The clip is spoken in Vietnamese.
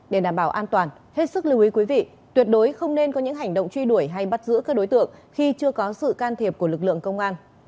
để đảm bảo an toàn hết sức lưu ý quý vị tuyệt đối không nên có những hành động truy đuổi hay bắt giữ các đối tượng khi chưa có sự can thiệp của lực lượng công an